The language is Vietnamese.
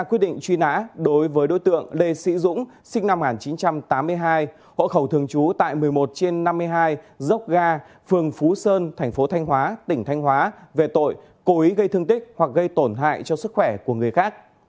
quyết định truy nã đối với đối tượng lê sĩ dũng sinh năm một nghìn chín trăm tám mươi hai hộ khẩu thường trú tại một mươi một trên năm mươi hai dốc ga phường phú sơn thành phố thanh hóa tỉnh thanh hóa về tội cố ý gây thương tích hoặc gây tổn hại cho sức khỏe của người khác